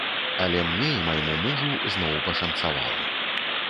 Але мне і майму мужу зноў пашанцавала.